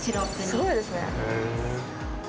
すごいですね。